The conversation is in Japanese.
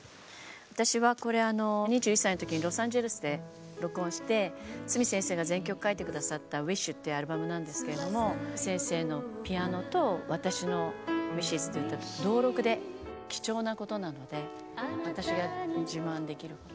私はこれ２１歳の時にロサンゼルスで録音して筒美先生が全曲書いて下さった「ＷＩＳＨ」ってアルバムなんですけれども先生のピアノと私の「ＷＩＳＨＥＳ」っていう歌同録で貴重なことなので私が自慢できること。